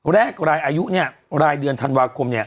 แรกรายอายุรายเดือนธันวาคม